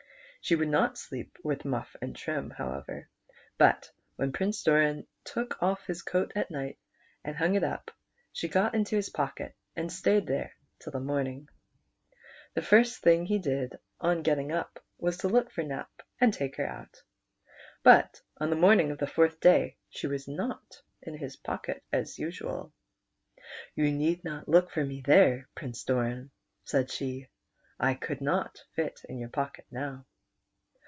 She would not sleep with Muff and Trim, however, but when Prince Doran 156 PRINCE DORA IV. took off" his coat at night and hung it up, she got into his pocket and stayed there till the morning. The first thing he did on getting up was to look for Nap and take her out ; but on the morning of the fourth day she was not in his pocket as usual. " You need not look for me there, Prince Doran," said she, " I could not fit in your pocket now."